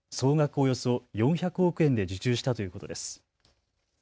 およそ４００億円で受注したということです。